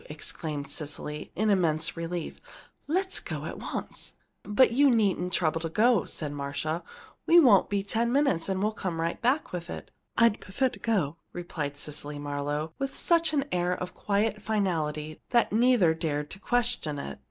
exclaimed Cecily, in immense relief. "Let us go at once." "But you needn't trouble to go," said Marcia. "We won't be ten minutes and will come right back with it." "I prefer to go," replied Cecily Marlowe, with such an air of quiet finality that neither dared to question it.